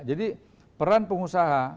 jadi peran pengusaha